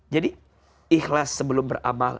jadi ikhlas sebelum beramal